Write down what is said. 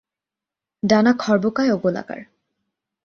ডানা খর্বকায় ও গোলাকার।